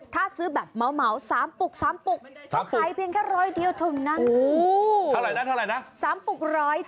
ถ้าซื้อแบบเมาเมา๋สามปุกสามปุกอีกเท่าไรนะจาก